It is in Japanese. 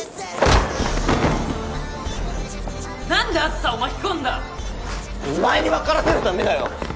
何であずさを巻き込んだ⁉お前に分からせるためだよ！